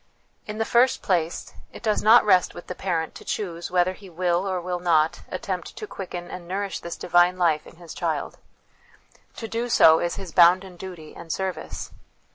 In the first place, it does not rest with the parent to choose whether he will or will not attempt to quicken and nourish this divine life in his 344 HOME EDUCATION child. To do so is his bounden duty and service.